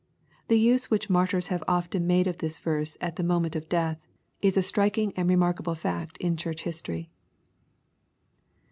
The use which martyrs have often made of this verse at the moment of death, is a strik ing and remarkable fact in Church history.